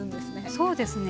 そうですね。